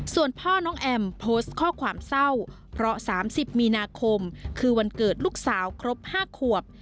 ส่วนพ่อน้องแอมโพสต์ข้อความเศร้าเพราะ๓๐มีนาคมคือวันเกิดลูกสาวครบ๕ขวบ